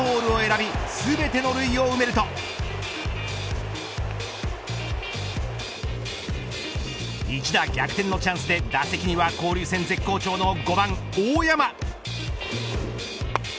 ４番、佐藤がフォアボールを選びすべての塁を埋める一打逆転のチャンスで打席には交流戦絶好調の５番、大山。